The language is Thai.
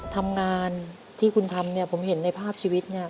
ทำงานที่คุณทำเนี่ยผมเห็นในภาพชีวิตเนี่ย